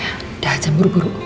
udah aja buru buru